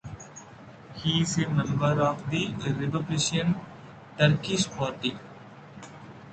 He is a member of the Republican Turkish Party.